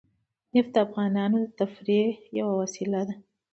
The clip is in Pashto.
نفت د افغانانو د تفریح یوه وسیله ده.